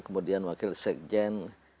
kemudian wakil sekjen dari golong